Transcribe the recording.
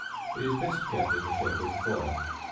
It is best kept in the shape of foil.